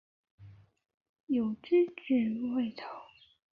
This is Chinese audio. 有子魏朝琮。